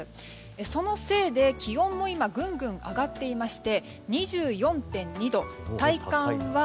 そのせいで気温も今ぐんぐん上がっていまして２４．２度。